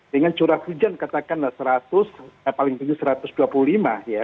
dengan curah hujan katakanlah seratus paling tinggi satu ratus dua puluh lima ya